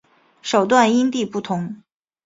手段因地不同。